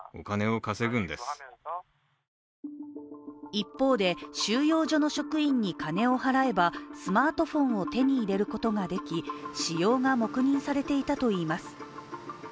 一方で、収容所の職員に金を払えばスマートフォンを手に入れることができ使用が黙認されていたといいます。